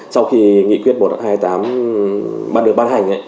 sau khi nghị quyết một trăm hai mươi tám ban được ban hành